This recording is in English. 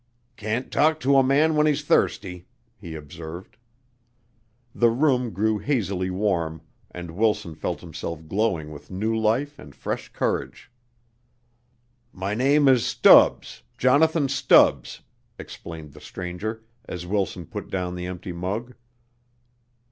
"Can't talk to a man when he's thirsty," he observed. The room grew hazily warm, and Wilson felt himself glowing with new life and fresh courage. "My name is Stubbs Jonathan Stubbs," explained the stranger, as Wilson put down the empty mug.